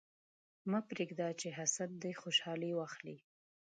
مه پرېږده چې حسد دې خوشحالي واخلي.